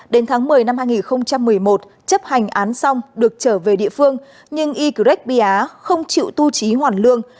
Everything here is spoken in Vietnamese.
đến tháng một mươi năm hai nghìn một mươi một chấp hành án xong được trở về địa phương nhưng ycret bia không chịu tu trí hoàn lương